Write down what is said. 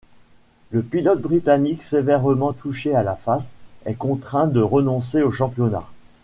Le pilote britannique, sévèrement touché à la face, est contraint de renoncer au championnat.